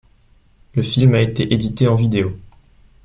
Le film a été édité en vidéo.